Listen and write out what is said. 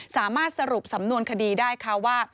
สามารถสรุปสำนวนคดีได้ค่ะว่า